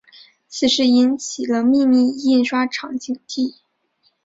此事引起了秘密印刷厂警惕。